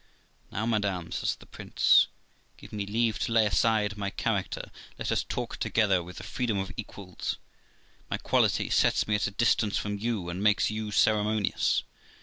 ' Now, madam ', says the prince, ' give me leave to lay aside my character; let us talk together with the freedom of equals. My quality sets me at a distance from you, and makes yon ceremonious.